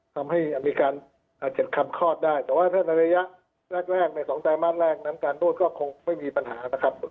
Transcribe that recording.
ทำให้มีการเขียนคำคลอดได้แต่ว่าถ้าในระยะแรกใน๒ไตรมาสแรกนั้นการนวดก็คงไม่มีปัญหานะครับ